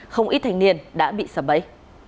không ít thành niên đã bị sập bấy